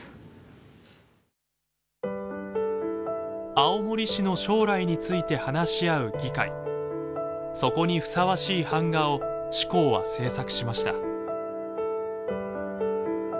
青森市の将来について話し合う議会そこにふさわしい板画を志功は制作しました。